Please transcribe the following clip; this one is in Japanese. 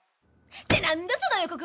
ってなんだその予告は！